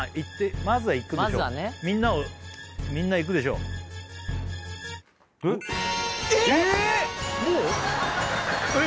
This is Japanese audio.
まずは行くまずはねみんなをみんな行くでしょう・えっ？